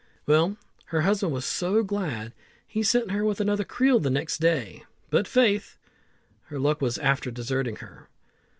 Well, her husband was so glad, he sent her with another creel the next day; but faith! her luck was after deserting her.